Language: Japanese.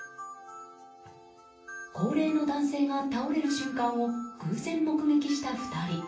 高齢の男性が倒れる瞬間を偶然目撃した２人。